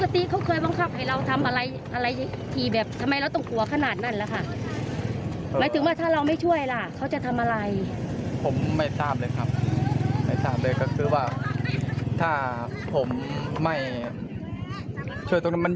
ถามเลยก็คือว่าถ้าผมไม่ช่วยตรงนั้น